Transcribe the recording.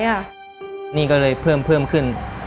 นี่ก็เลยเพิ่มขึ้น